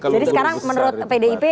jadi sekarang menurut pdip